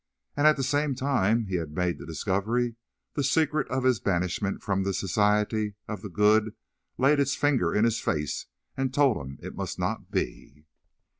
And at the same time that he made the discovery, the secret of his banishment from the society of the good laid its finger in his face and told him it must not be.